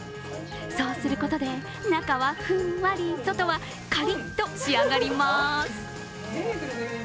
そうすることで、中はふんわり、外はカリッと仕上がります。